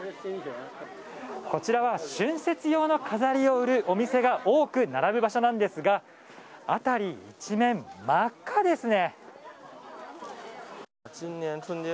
こちらは春節用の飾りを売るお店が多く並ぶ場所なんですが辺り一面、真っ赤ですね。